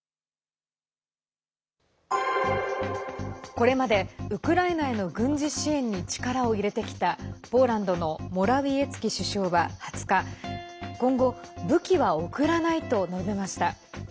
これまで、ウクライナへの軍事支援に力を入れてきたポーランドのモラウィエツキ首相は２０日今後、武器は送らないと述べました。